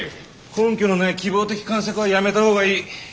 根拠のない希望的観測はやめた方がいい。